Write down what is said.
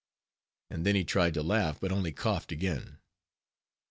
And then he tried to laugh, but only coughed again.